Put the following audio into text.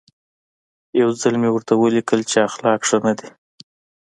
یو ځل مې ورته ولیکل چې اخلاق ښه نه دي.